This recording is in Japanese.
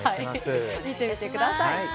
見てみてください。